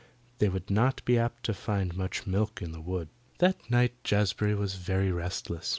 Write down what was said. They would not be apt to find much milk in the wood. That night Jazbury was very restless.